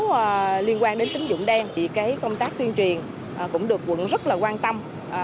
nếu liên quan đến tính dụng đen công tác tuyên truyền cũng được quận rất quan tâm